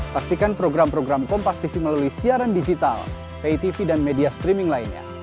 saksikan program program kompastv melalui siaran digital pitv dan media streaming lainnya